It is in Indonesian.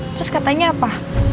terus katanya apa